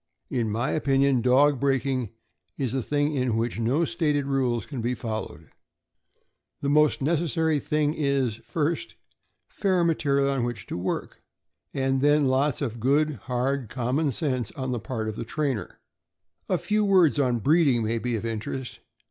In my opinion, dog breaking is a thing in which no stated rules can be followed. The most necessary thing is, first, fair material on which to work, and then lots of good, hard common sense on the part of the trainer. A few words on breeding may be of interest.